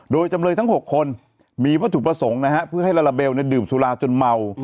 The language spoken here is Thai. โดยจำเลยทั้ง๖คนมีวัตถุประสงค์นะฮะเพื่อให้ลาลาเบลดื่มสุราจนเมา